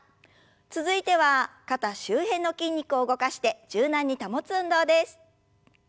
続いては肩周辺の筋肉を動かして柔軟に保つ運動です。